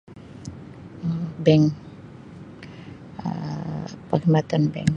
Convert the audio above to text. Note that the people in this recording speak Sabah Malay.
Um Bank Um perkhidmatan bank.